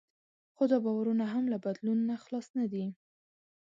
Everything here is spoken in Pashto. خو دا باورونه هم له بدلون نه خلاص نه دي.